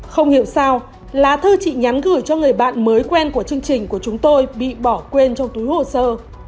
không hiểu sao là thư chị nhắn gửi cho người bạn mới quen của chương trình của chúng tôi bị bỏ quên trong túi hồ sơ